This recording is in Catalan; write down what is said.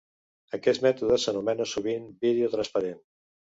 Aquest mètode s'anomena sovint "vídeo transparent".